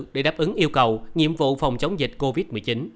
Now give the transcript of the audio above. để đáp ứng yêu cầu nhiệm vụ phòng chống dịch covid một mươi chín